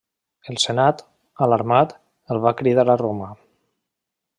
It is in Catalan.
El senat, alarmat, el va cridar a Roma.